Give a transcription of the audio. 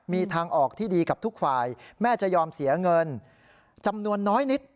มีทางออกที่ดีกับทุกฝ่ายแม่จะยอมเสียเงินจำนวนน้อยนิด